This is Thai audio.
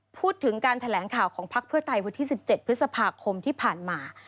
พูดถึงการแถลงข่าวของพักเพื่อไทยวันที่๑๗พฤษภาคมที่ผ่านมา